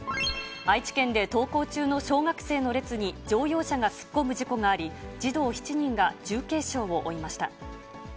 愛知県で登校中の小学生の列に乗用車が突っ込む事故があり、児童７人が重軽傷を負いました。